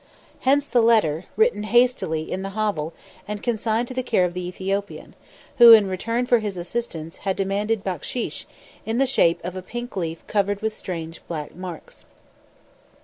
Hence the letter, written hastily in the hovel and consigned to the care of the Ethiopian, who, in return for his assistance, had demanded backshisch in the shape of a pink leaf covered with strange black marks.